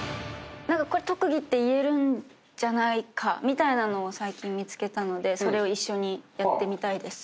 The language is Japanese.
これ特技って言えるんじゃないかみたいなのを最近見つけたのでそれを一緒にやってみたいです。